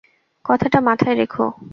কথাটা মাথায় রেখো।